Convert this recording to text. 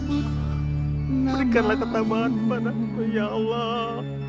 berikanlah ketambahan pada aku ya allah